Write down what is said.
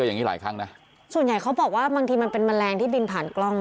อย่างนี้หลายครั้งนะส่วนใหญ่เขาบอกว่าบางทีมันเป็นแมลงที่บินผ่านกล้อง